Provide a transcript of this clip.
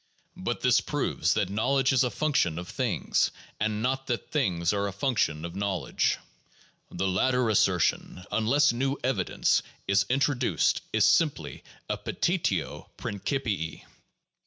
But this proves that knowledge is a function of things, and not that things are a function of knowledge. The latter assertion, unless new evi dence is introduced, is simply a petitio prineipii.